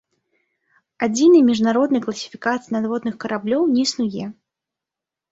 Адзінай міжнароднай класіфікацыі надводных караблёў не існуе.